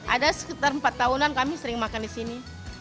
ada sekitar empat tahunan kami sering makan di sini